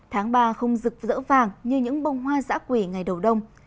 tháng ba không rực rỡ vàng như những bông hoa giã quỳ ngày đầu đông